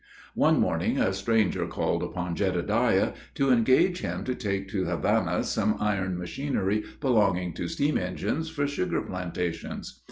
One morning a stranger called upon Jedediah to engage him to take to Havana some iron machinery belonging to steam engines for sugar plantations.